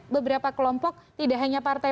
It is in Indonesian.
beberapa kelompok tidak hanya partai